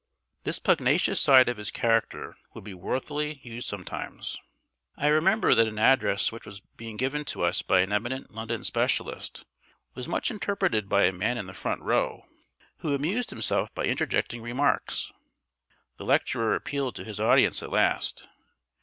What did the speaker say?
This pugnacious side of his character would be worthily used sometimes. I remember that an address which was being given to us by an eminent London specialist was much interrupted by a man in the front row, who amused himself by interjecting remarks. The lecturer appealed to his audience at last.